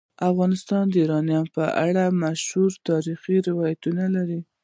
افغانستان د یورانیم په اړه مشهور تاریخی روایتونه لري.